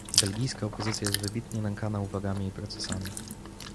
Belgijska opozycja jest wybitnie nękana uwagami i procesami